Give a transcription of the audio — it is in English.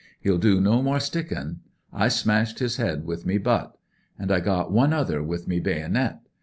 He'll do no more stickin'. I smashed his head with me butt. An* I got one other with me baynit.